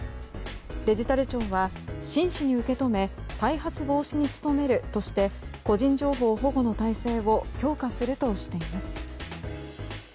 デジタル庁は真摯に受け止め再発防止に努めるとして個人情報保護の体制を強化するとしています。